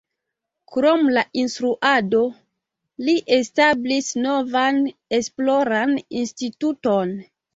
Krom la instruado, li establis novan esploran instituton.